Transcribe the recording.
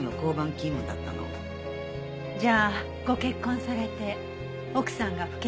じゃあご結婚されて奥さんが府